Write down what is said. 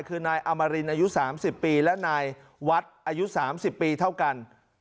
คือนายอมรินอายุ๓๐ปีและนายวัดอายุ๓๐ปีเท่ากัน